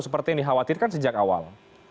seperti yang dikhawatirkan sejak awal